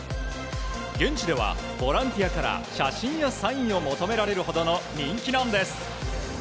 現地では、ボランティアから写真やサインを求められるほどの人気なんです。